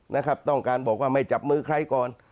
นะครับต้องการบอกว่าไม่จับมือใครก่อน